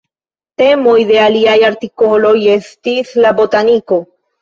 Temoj de liaj artikoloj estis la botaniko.